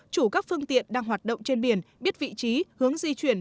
chủ các phương tiện đang hoạt động trên biển biết vị trí hướng di chuyển